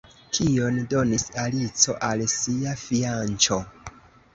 Kion donis Alico al sia fianĉo?